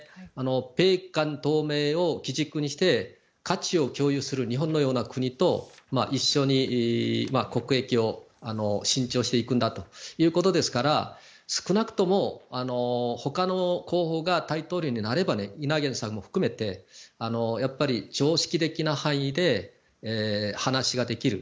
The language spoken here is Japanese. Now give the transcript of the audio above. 米韓同盟を基軸にして価値を共有する日本のような国と一緒に国益を伸長していくんだということですから少なくとも他の候補が大統領になればイ・ナギョンさんも含めてやっぱり常識的な範囲で話ができる。